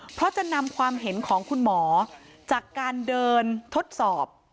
เพราะจะนำความเห็นของคุณหมอจากการเดินทดสอบ